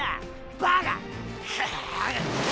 バカ！